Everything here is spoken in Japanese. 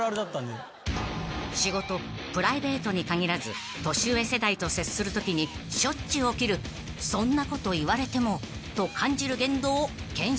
［仕事プライベートに限らず年上世代と接するときにしょっちゅう起きるそんなこと言われてもと感じる言動を検証］